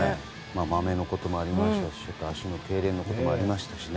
マメのこともありましたし足のけいれんのこともありましたしね。